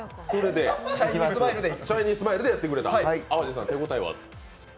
「シャイニースマイル」でやってくれた、手応えは？